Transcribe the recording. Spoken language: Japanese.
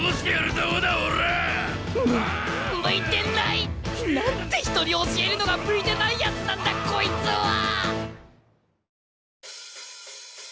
向いてない！なんて人に教えるのが向いてないやつなんだこいつは！